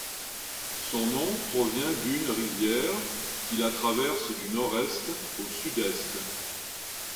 Son nom provient d'une rivière qui la traverse du nord-est au sud-est.